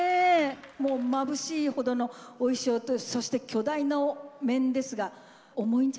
もうまぶしいほどのお衣装とそして巨大な面ですが重いんじゃないですか？